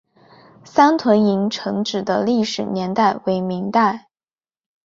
三屯营城址的历史年代为明代。